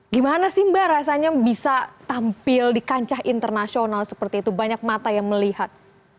gimana sih mbak rasanya bisa tampil di kancah internasional seperti itu banyak mata yang melihat